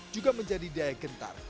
juga menjadi daya kentar